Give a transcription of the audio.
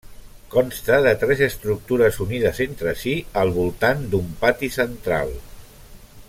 Consta de tres estructures unides entre si al voltant d'un pati central.